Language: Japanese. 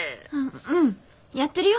うんやってるよ。